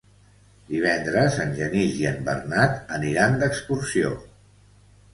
Divendres en Genís i en Bernat aniran d'excursió.